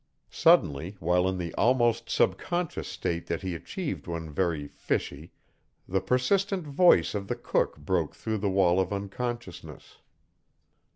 Suddenly, while in the almost subconscious state that he achieved when very "fishy," the persistent voice of the cook broke through the wall of unconsciousness.